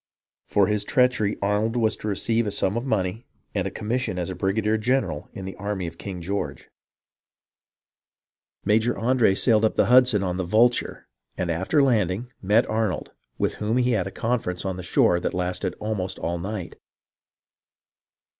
For his treachery Arnold was to receive a sum of money and a com mission as brigadier general in the army of King George. 294 HISTORY OF THE AMERICAN REVOLUTION Major Andre sailed up the Hudson on the Vulture, and after landing, met Arnold, with whom he had a conference on the shore that lasted almost all night.